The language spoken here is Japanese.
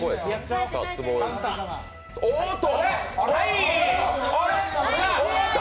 おっと。